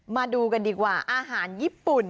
มาดูกันดีกว่าอาหารญี่ปุ่น